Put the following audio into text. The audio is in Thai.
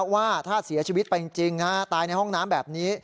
ว่าถ้าเสียชีวิตไปจริงตายในห้องน้ำแบบนี้